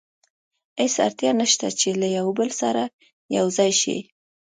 هېڅ اړتیا نه شته چې له یو بل سره یو ځای شي.